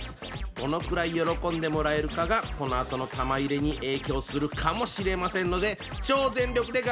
どのくらい喜んでもらえるかがこのあとの玉入れに影響するかもしれませんので超全力で頑張ってください！